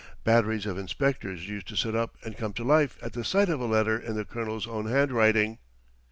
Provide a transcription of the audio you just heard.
Batteries of inspectors used to sit up and come to life at the sight of a letter in the colonel's own handwriting.